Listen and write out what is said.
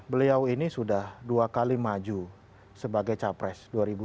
beliau ini sudah dua kali maju sebagai capres dua ribu dua puluh